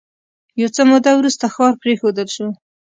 یو څه موده وروسته ښار پرېښودل شو